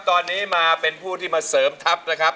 ตอนนี้มาเป็นผู้ที่มาเสริมทัพนะครับ